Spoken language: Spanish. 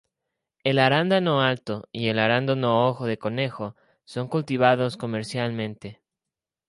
El arándano alto y el arándano ojo de conejo son cultivados comercialmente.